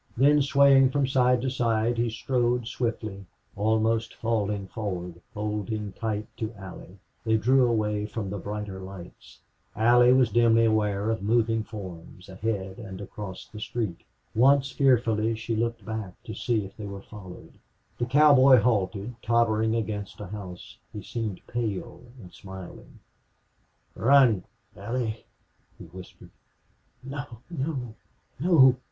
Then swaying from side to side he strode swiftly, almost falling forward, holding tight to Allie. They drew away from the brighter lights. Allie was dimly aware of moving forms ahead and across the street. Once, fearfully, she looked back, to see if they were followed. The cowboy halted, tottering against a house, He seemed pale and smiling. "Run Allie!" he whispered. "No no no!"